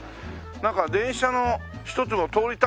なんか電車のひとつも通りたいね。